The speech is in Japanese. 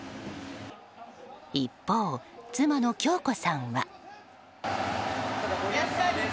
一方、妻の京子さんは。